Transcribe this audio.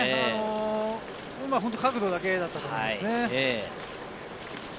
今、角度だけだったと思いますね。